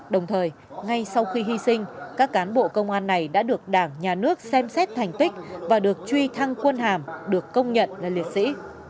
đồng thời ngay sau khi hy sinh các cán bộ công an này đã được đảng nhà nước xem xét thành tích và được truy thăng quân hàm được công nhận là liệt sĩ